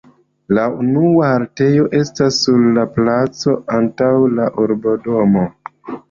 La unua haltejo estas sur la placo antaŭ la urbodomo.